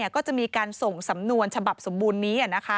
ก็จะมีการส่งสำนวนฉบับสมบูรณ์นี้